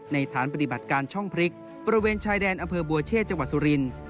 ฐานปฏิบัติการช่องพริกบริเวณชายแดนอำเภอบัวเชษจังหวัดสุรินทร์